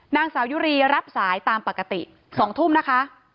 นางสาวยุรีรับสายตามปกติ๒ทุ่มนะคะ